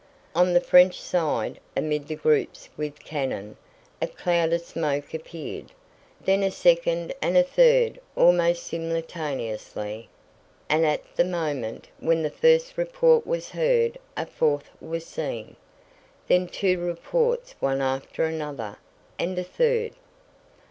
On the French side, amid the groups with cannon, a cloud of smoke appeared, then a second and a third almost simultaneously, and at the moment when the first report was heard a fourth was seen. Then two reports one after another, and a third.